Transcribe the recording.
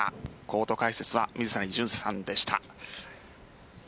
コート解説は水谷隼さんでした。